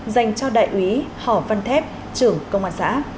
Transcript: dành cho đại úy hò văn thép trưởng công an xã